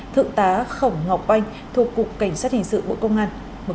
thượng tá khổng ngọc oanh thuộc cục cảnh sát hình sự bộ công an